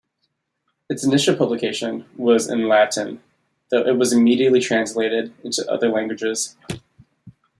Its initial publication was in Latin, though it was immediately translated into other languages.